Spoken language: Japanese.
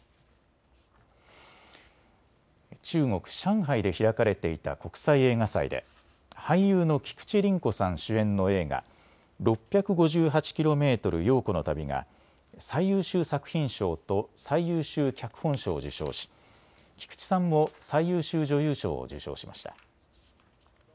中国・上海で開かれていた国際映画祭で俳優の菊地凛子さん主演の映画、６５８ｋｍ、陽子の旅が最優秀作品賞と最優秀脚本賞を受賞し菊地さんも最優秀女優賞を受賞しました。